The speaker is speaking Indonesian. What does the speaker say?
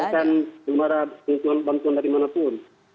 hanya mengandalkan belum ada bantuan dari mana pun